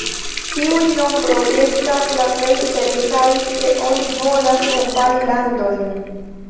Tiuj nombroj estas la plej interesaj, se oni volas kompari landojn.